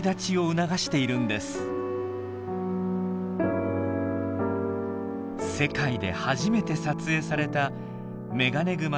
世界で初めて撮影されたメガネグマの母と子の別れ。